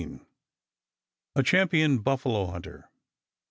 A CHAMPION BUFFALO HUNTER.